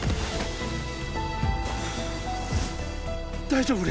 大丈夫！？